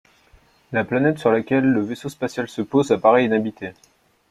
La planète sur laquelle le vaisseau spatial se pose apparaît inhabitée.